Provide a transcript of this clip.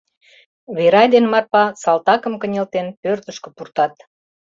Верай ден Марпа салтакым, кынелтен, пӧртышкӧ пуртат.